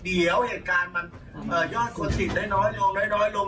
เดี๋ยวเหตุการณ์มันยอดคนติดได้น้อยลงลง